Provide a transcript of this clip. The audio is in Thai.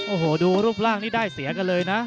โอ้โหดูรูปร่างนี้ได้เสียกันเลยนะ